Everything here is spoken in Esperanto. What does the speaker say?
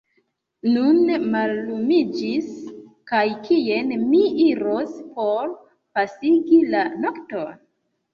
Nun mallumiĝis; kaj kien mi iros por pasigi la nokton?